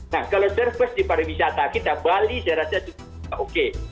nah kalau surplus di pariwisata kita bali saya rasa cukup oke